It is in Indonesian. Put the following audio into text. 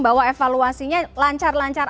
bahwa evaluasinya lancar lancar